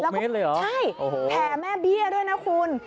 ๖เมตรเลยหรอใช่แผ่แม่เบี้ยด้วยนะคุณ